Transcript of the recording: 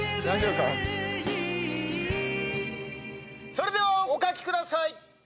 それではお描きください。